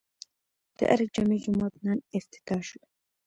د ارګ جامع جومات نن افتتاح شو